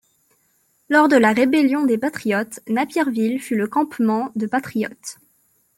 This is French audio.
Lors de la rébellion des Patriotes, Napierville fut le campement de patriotes.